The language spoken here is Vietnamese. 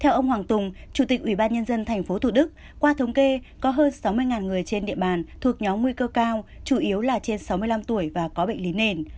theo ông hoàng tùng chủ tịch ủy ban nhân dân tp thủ đức qua thống kê có hơn sáu mươi người trên địa bàn thuộc nhóm nguy cơ cao chủ yếu là trên sáu mươi năm tuổi và có bệnh lý nền